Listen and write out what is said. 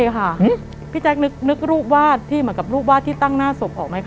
ใช่ค่ะพี่แจ๊คนึกรูปวาดที่เหมือนกับรูปวาดที่ตั้งหน้าศพออกไหมคะ